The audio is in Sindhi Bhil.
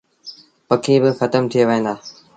پکي با کتم ٿئي وهيݩ دآ۔